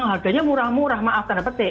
harganya murah murah maaf